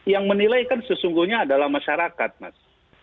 yang menilaikan sesungguhnya adalah masyarakat mas